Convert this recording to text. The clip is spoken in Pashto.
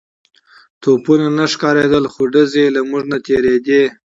توپونه نه ښکارېدل خو ډزې يې له موږ نه تېرېدې.